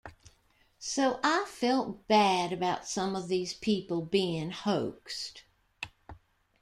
So I felt bad about some of these people being hoaxed.